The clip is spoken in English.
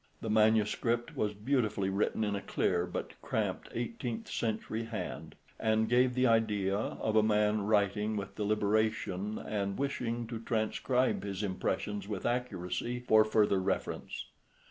The manuscript was beautifully written in a clear but cramped eighteenth century hand, and gave the idea of a man writing with deliberation, and wishing to transcribe his impressions with accuracy for further reference.